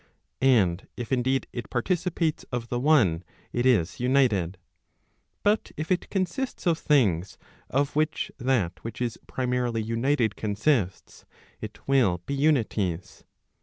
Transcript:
And if, indeed, it participates of the one it is united; but if it consists of things of which that which is primarily united consists, it will be unities.